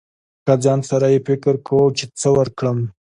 له ځان سره يې فکر کو، چې څه ورکړم.